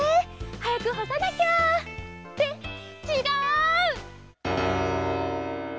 はやくほさなきゃ。ってちがう！